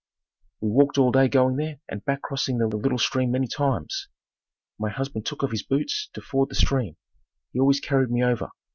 We walked all day going there and back crossing the little stream many times. My husband took off his boots to ford the stream. He always carried me over.